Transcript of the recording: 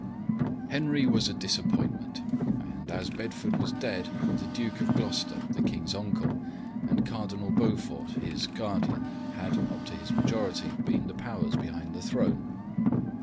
Henry was a disappointment, and, as Bedford was dead, the Duke of Gloucester, the king's uncle, and Cardinal Beaufort, his guardian, had, up to his majority, been the powers behind the throne.